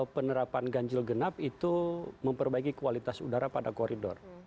penerapan ganjil genap itu memperbaiki kualitas udara pada koridor